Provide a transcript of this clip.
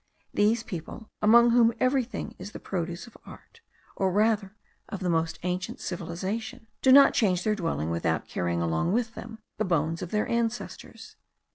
These people among whom everything is the produce of art, or rather of the most ancient civilization, do not change their dwelling without carrying along with them the bones of their ancestors.